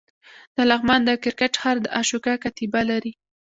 د لغمان د کرکټ ښار د اشوکا کتیبه لري